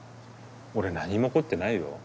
俺何も怒ってないよ。